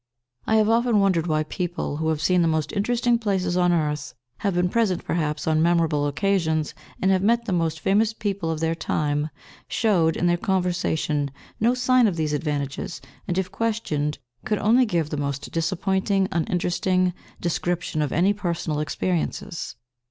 I have often wondered why people who have seen the most interesting places on earth, have been present perhaps on memorable occasions, and have met the most famous people of their time, showed, in their conversation, no sign of these advantages, and, if questioned, could only give the most disappointing, uninteresting description of any personal experiences.